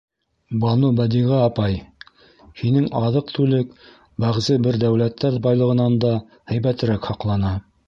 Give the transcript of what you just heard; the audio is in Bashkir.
— Банубәдиғә апай, һинең аҙыҡ-түлек бәғзе бер дәүләттәр байлығынан да һәйбәтерәк һаҡлана.